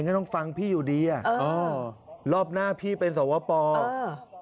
ก็ต้องฟังพี่อยู่ดีอ่ะอ๋อรอบหน้าพี่เป็นสวปออ่า